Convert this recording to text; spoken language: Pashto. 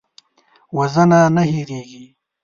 وژنه نه هېریږي